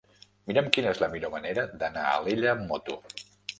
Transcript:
Mira'm quina és la millor manera d'anar a Alella amb moto.